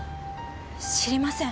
知りません。